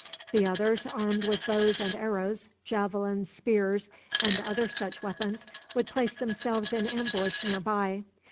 The others, armed with bows and arrows, javelins, spears, and other such weapons, would place themselves in ambush near by.